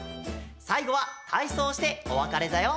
さいごは体操をしておわかれだよ！